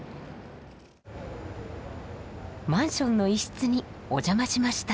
マンションの一室におじゃましました。